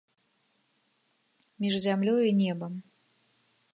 Між зямлёю і небам.